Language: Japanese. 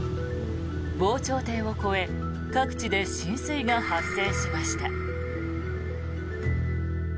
防潮堤を越え各地で浸水が発生しました。